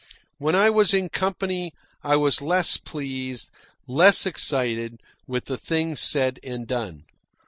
When I was in company I was less pleased, less excited, with the things said and done.